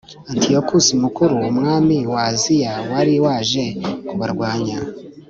antiyokusi mukuru, umwami wa aziya wari waje kubarwanya